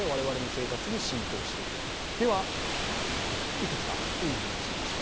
いくつかクイズにしました。